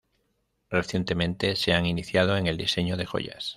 Recientemente se han iniciado en el diseño de joyas.